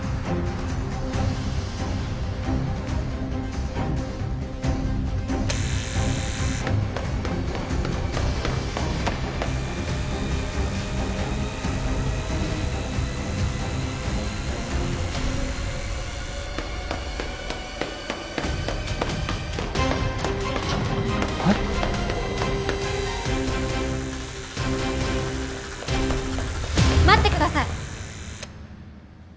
・待ってください。